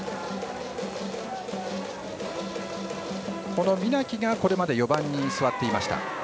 この双木がこれまで４番に座っていました。